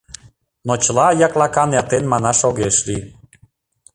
Но чыла яклакан эртен манаш огеш лий.